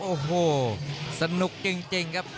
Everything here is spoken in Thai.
โอ้โหสนุกจริงครับ